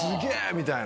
みたいな。